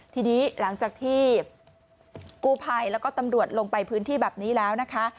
ทีนี้หลังจากที่กู้ภัยแล้วก็ตำรวจลงไปพื้นที่แบบนี้แล้วนะคะ